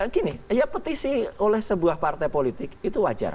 gini ya petisi oleh sebuah partai politik itu wajar